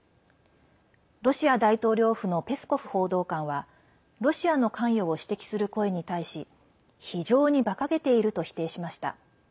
ロシア大統領府のペスコフ報道官はロシアの関与を指摘する声に対し非常にばかげていると否定しました。